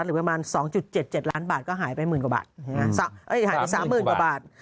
หรือประมาณ๒๗๗ล้านบาทก็หายไป๓๐๐๐๐กว่าบาท